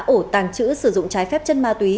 ổ tàng chữ sử dụng trái phép chân ma túy